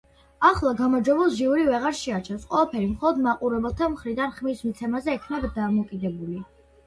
ახლა გამარჯვებულს ჟიური ვეღარ შეარჩევს. ყველაფერი მხოლოდ მაყურებელთა მხრიდან ხმის მიცემაზე იქნება დამოკიდებული.